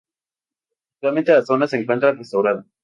Actualmente la zona se encuentra restaurada.